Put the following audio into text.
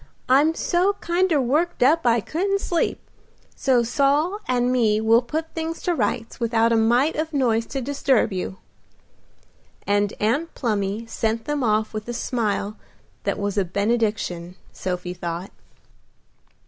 I'm so kinder worked up I couldn't sleep, so Saul and me will put things to rights without a mite of noise to disturb you;" and Aunt Plumy sent them off with a smile that was a benediction, Sophie thought.